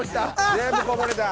全部こぼれた。